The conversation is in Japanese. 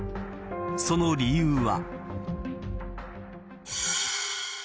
その理由は。